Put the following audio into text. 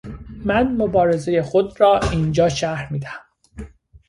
من مبارزه خود را اینجا شرح میدهم